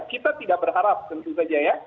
kita tidak berharap tentu saja ya